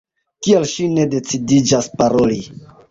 Kial ŝi ne decidiĝas paroli?